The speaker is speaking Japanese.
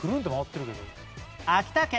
秋田県